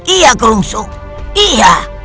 iya kerungsuk iya